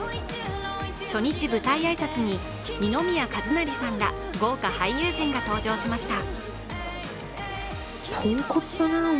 初日舞台挨拶に二宮和也さんら豪華俳優陣が登場しました。